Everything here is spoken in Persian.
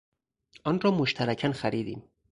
آن را مشترکا خریدیم.